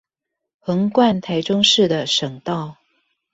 橫貫臺中市的省道